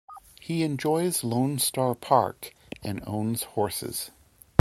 He enjoys Lone Star Park and owns horses.